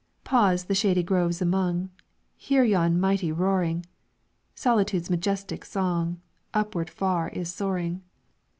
"Pause the shady groves among, Hear yon mighty roaring, Solitude's majestic song Upward far is soaring.